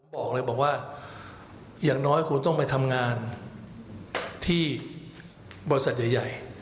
บอกเลยบอกว่าอย่างน้อยคุณต้องไปทำงานที่บริษัทใหญ่